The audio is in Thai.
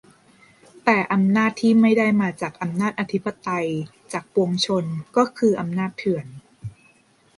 แต่อำนาจที่ไม่ได้มาจากอำนาจอธิปไตย-จากปวงชน ก็คืออำนาจเถื่อน